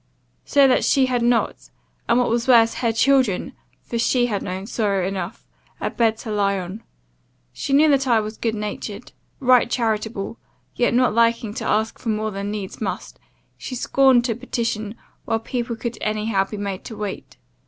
So that she had not, and what was worse her children, 'for she had known sorrow enough,' a bed to lie on. She knew that I was good natured right charitable, yet not liking to ask for more than needs must, she scorned to petition while people could any how be made to wait.